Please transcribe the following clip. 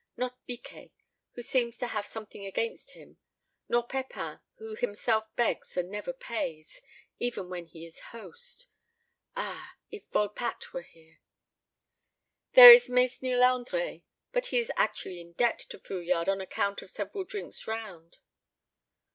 Not Biquet, who seems to have something against him; nor Pepin who himself begs, and never pays, even when he is host. Ah, if Volpatte were there! There is Mesnil Andre, but he is actually in debt to Fouillade on account of several drinks round.